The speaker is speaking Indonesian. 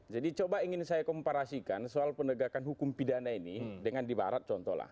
jadi coba ingin saya komparasikan soal penegakan hukum pidana ini dengan di barat contoh lah